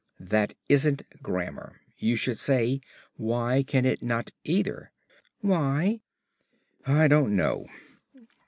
"That isn't grammar. You should say, 'Why can it not either?'" "Why?" "I don't know."